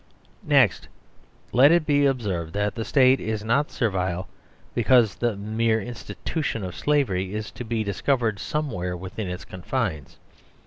Next, let it be observed that the State is not ser vile because the mere institution of slavery is to be discovered somewhere within its confines.